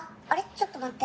ちょっと待って・